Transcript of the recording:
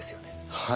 はい。